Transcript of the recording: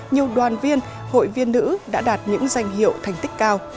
nhiều đoàn viên hội viên nữ đã đạt những danh hiệu thành tích cao